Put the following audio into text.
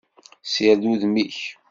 Sired udem-ik!